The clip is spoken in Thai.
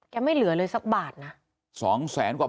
ไม่เหลือเลยสักบาทนะ